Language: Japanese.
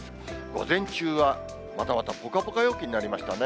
午前中は、またまたぽかぽか陽気になりましたね。